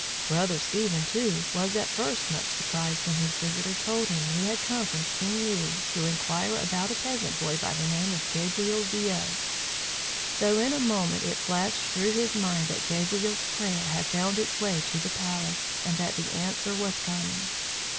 Brother Stephen, too, was at first much surprised when his visitor told him he had come from King Louis to inquire about a peasant boy by the name of Gabriel Viaud; though in a moment it flashed through his mind that Gabriel's prayer had found its way to the palace, and that the answer was coming.